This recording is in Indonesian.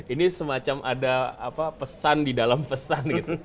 ini semacam ada pesan di dalam pesan gitu